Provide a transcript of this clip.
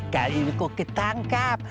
kali ini kau ketangkap